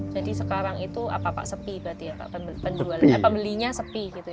jadi sekarang itu apa pak sepi berarti ya pak